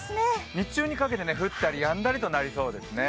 日中にかけて降ったりやんだりとなりそうですね。